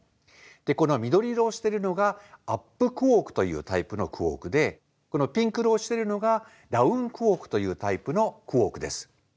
でこの緑色をしてるのがアップクォークというタイプのクォークでこのピンク色をしてるのがダウンクォークというタイプのクォークです。